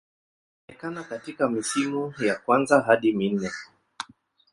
Alionekana katika misimu ya kwanza hadi minne.